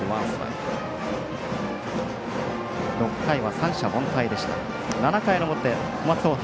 ６回は三者凡退でした。